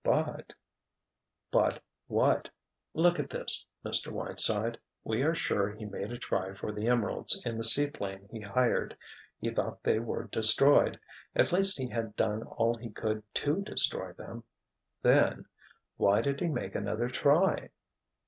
But——" "But—what?" "Look at this, Mr. Whiteside—we are sure he made a try for the emeralds in the seaplane he hired. He thought they were destroyed—at least he had done all he could to destroy them. Then—why did he make another try?"